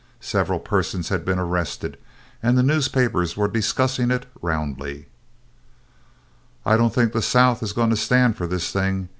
Several persons had been arrested, and the newspapers were discussing it roundly. "I don't think the South is going to stand for this thing.